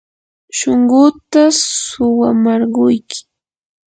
shunquuta suwamarquyki.